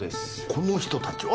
この人たちは？